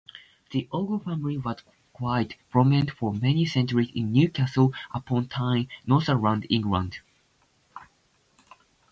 The Ogle family was quite prominent for many centuries in Newcastle-upon-Tyne, Northumberland, England.